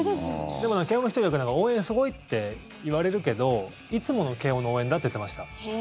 でも慶応の人って応援すごいって言われるけどいつもの慶応の応援だって言ってました。